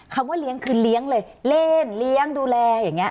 ว่าเลี้ยงคือเลี้ยงเลยเล่นเลี้ยงดูแลอย่างนี้